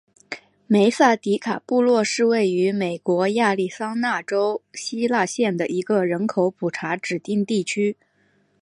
梅萨迪卡布洛是位于美国亚利桑那州希拉县的一个人口普查指定地区。